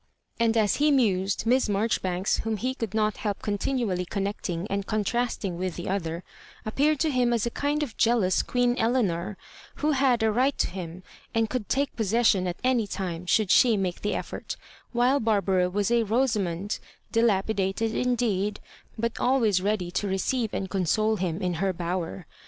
And as he mused, Miss Marjoribanks, whom he oould not help oontinually connecting and contrasting with the other, appeared to him as a kind of jealous Queen Eleanor, who had a right to him, and coidd take possession at any time, should she make the efifort; while Bar bara was a Rosamond, dilapidated indeed, but always ready to receiye and console him in her bower.